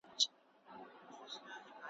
هم انارګل وي هم نوبهار وي `